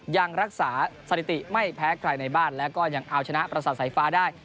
ยังรักษาสถิติไม่แพ้ใครในบ้านแล้วก็ยังเอาชนะประสาทสายฟ้าได้